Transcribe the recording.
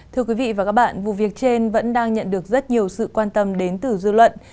thưa quý vị và các bạn vụ việc trên vẫn đang nhận được rất nhiều sự quan tâm đến từ dư luận